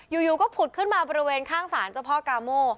อยู่ก็ผุดขึ้นมาบริเวณข้างศาลเจ้าพ่อกาโม